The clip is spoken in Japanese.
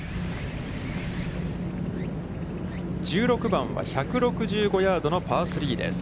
１６番は１６５ヤードのパー３です。